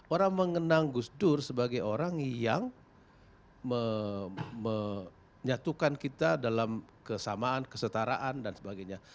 orang mengenang gus dur sebagai orang yang menyatukan kita dalam kesamaan kesetaraan dan sebagainya